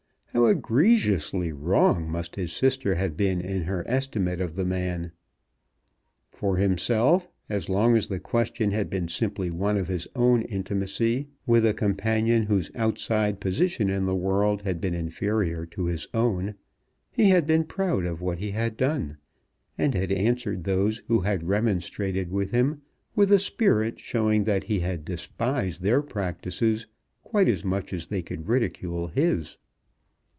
How egregiously wrong must his sister have been in her estimate of the man! For himself, as long as the question had been simply one of his own intimacy with a companion whose outside position in the world had been inferior to his own, he had been proud of what he had done, and had answered those who had remonstrated with him with a spirit showing that he despised their practices quite as much as they could ridicule his.